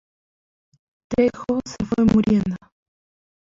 Trejo se fue muriendo.